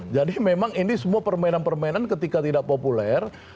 jadi memang ini semua permainan permainan ketika tidak populer